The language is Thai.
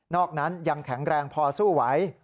อกนั้นยังแข็งแรงพอสู้ไหว